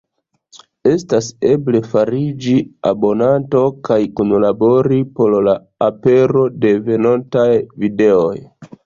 Estas eble fariĝi abonanto kaj kunlabori por la apero de venontaj videoj.